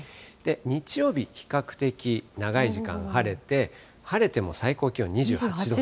日曜日、比較的長い時間、晴れて、晴れても最高気温２８度。